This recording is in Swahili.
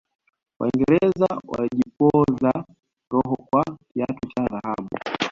waingereza walijipoza roho kwa kiatu cha dhahabu